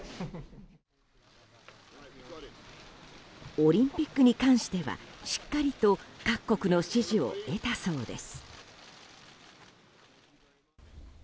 オリンピックに関してはしっかりと各国の支持を得たそうです。